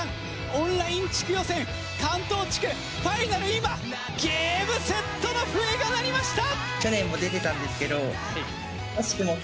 オンライン地区予選関東地区ファイナル今ゲームセットの笛が鳴りました！